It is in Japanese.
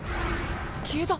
消えた。